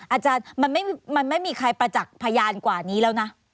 อาจารย์มันไม่มีใครประจักษ์พยานกว่านี้แล้วนะ